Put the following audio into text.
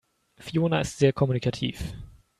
Fiona ist sehr kommunikativ.